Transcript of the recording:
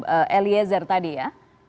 ya jadi itu yang terakhir ya